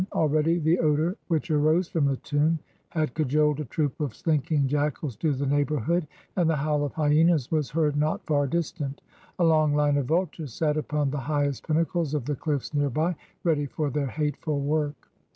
Already the odor which arose from the tomb had cajoled a troop of slinking jackals to the neighborhood, and the howl of hyenas was heard not far distant. A long line of vultures sat upon the highest pinnacles of the cliffs near by, ready for their hateful work.